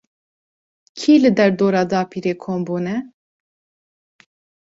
Kî li derdora dapîrê kom bûne?